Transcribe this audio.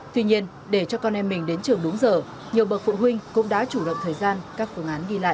tuy nhiên để cho con em mình đến trường đúng giờ nhiều bậc phụ huynh cũng đã chủ động thời gian các phương án đi lại